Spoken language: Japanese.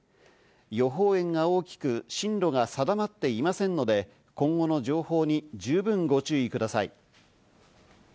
予報円が大きく進路が定まっていませんので、今後の情報に十分ご注意ください。